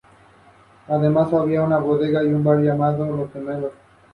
Hay dos versiones del álbum, la estadounidense y la versión internacional.